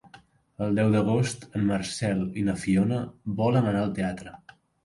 El deu d'agost en Marcel i na Fiona volen anar al teatre.